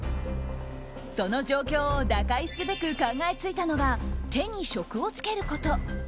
その状況を打開すべく考え付いたのが手に職をつけること。